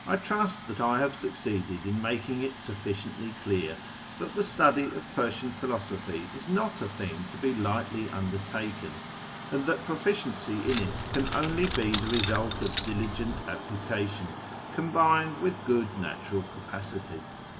1 trust that 1 have succeeded in making it sufliciently clear that the study of Persian philosophy is not a thing to be lightly undertaken, and that proficiency in it can only be the result of diligent application, combined with good natural capacity.